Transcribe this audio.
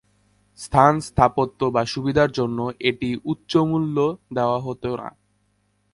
স্থান, স্থাপত্য বা সুবিধার জন্য এটিকে উচ্চমূল্য দেওয়া হতো না।